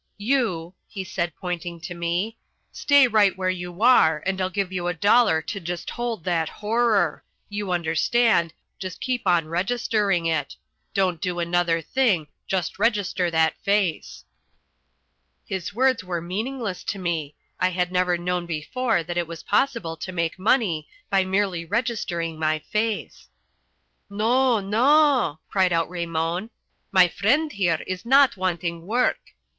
You," he said, pointing to me, "stay right where you are and I'll give you a dollar to just hold that horror; you understand, just keep on registering it. Don't do another thing, just register that face." His words were meaningless to me. I had never known before that it was possible to make money by merely registering my face. "No, no," cried out Raymon, "my friend here is not wanting work.